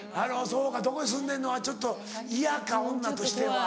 「どこに住んでんの？」はちょっと嫌か女としては。